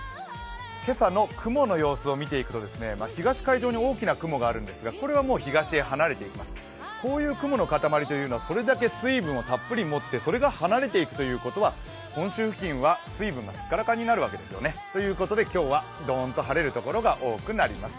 今朝の雲の様子を見ていくと東海上に大きな雲があるんですがこれはもう東へ離れていくこういう雲の塊というのはこれだけ水分をたっぷり持って、それが離れていくということは、本州付近は水分がすっからかんになるわけですね。ということで今日はドーンと晴れるところが多くなります。